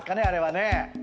あれはね。